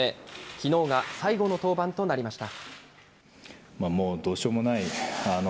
きのうが最後の登板となりました。